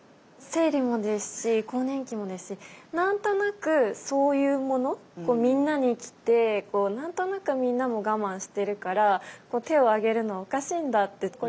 生理もですし更年期もですし何となくそういうものみんなに来て何となくみんなも我慢してるから手を挙げるのおかしいんだって。